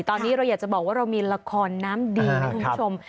ตอนนี้เราอยากจะบอกว่าเรามีละครน้ำดีนะคุณผู้ชม